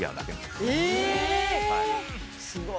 すごいな。